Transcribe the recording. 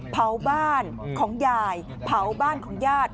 เผาบ้านของยายเผาบ้านของญาติ